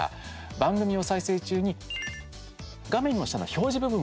番組を再生中に、画面の下の表示部分をタップします。